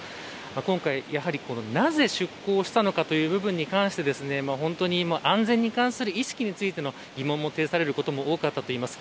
今回やはり、なぜ出航したのかという部分に関して安全に関する意識についての疑問も呈されることも多かったといいます。